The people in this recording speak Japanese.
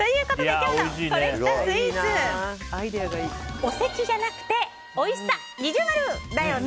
今日のコレきたスイーツおせちじゃなくおいしさ２重マルだね！